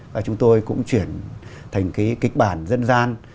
và chúng tôi cũng chuyển thành cái kịch bản dân gian